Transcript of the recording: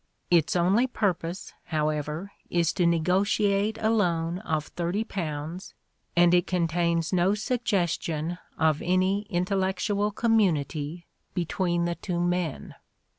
Its only purpose, however, is to negotiate a loan of £30 and it contains no suggestion of any intellectual community between the two men.